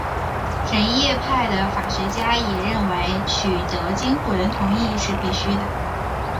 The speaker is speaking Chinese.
什叶派的法学家也认为取得监护人同意是必须的。